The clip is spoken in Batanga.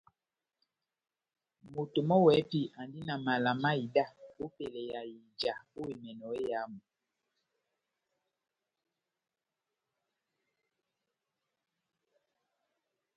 Moto mɔ́ wɛ́hɛ́pi andi na mala na ida ópɛlɛ ya ija ó emɛnɔ éyamu.